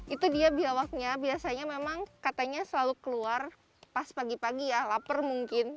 itu dia biawaknya biasanya memang katanya selalu keluar pas pagi pagi ya lapar mungkin